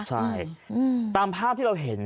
ใช่ตามภาพที่เราเห็น